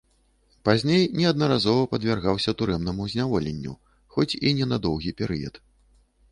Пазней неаднаразова падвяргаўся турэмнаму зняволенню, хоць і не на доўгі перыяд.